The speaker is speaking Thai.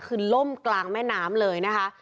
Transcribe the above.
คือล่มกลางแม่น้ำเลยนะคะ